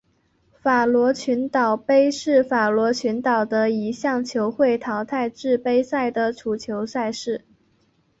法罗群岛杯是法罗群岛的一项球会淘汰制杯赛的足球赛事。